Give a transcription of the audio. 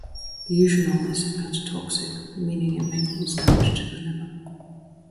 Eugenol is hepatotoxic, meaning it may cause damage to the liver.